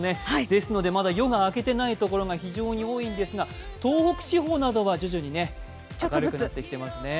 ですので、まだ夜が明けていないところが非常に多いんですが東北地方などは徐々に明るくなってきていますね。